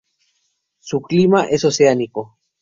Su clima es oceánico.